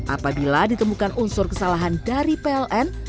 apabila ditemukan unsur kesalahan dari pln